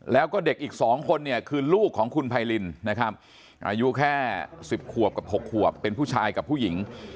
แล้วก็เด็กอีก๒คนเนี่ยคือลูกของคุณไพรินนะครับอายุแค่๑๐ขวบกับ๖ขวบเป็นผู้ชายกับผู้หญิง